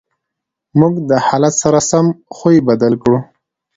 موږ د حالت سره سم خوی بدل کړو.